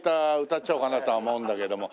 歌っちゃおうかなとは思うんだけども。